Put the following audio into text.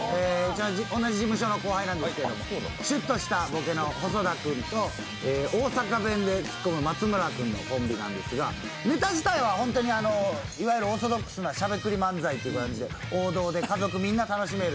同じ事務所の後輩なんですけどシュッとしたツッコミの細田君と大阪弁でツッコむ松村君のコンビなんですが、ネタ自体はいわゆるオーソドックスなしゃべくり漫才という感じで王道で、家族みんな楽しめる。